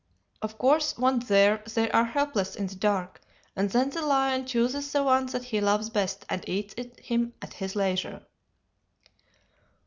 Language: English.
Of course, once there, they are helpless in the dark; and then the lion chooses the one that he loves best and eats him at his leisure.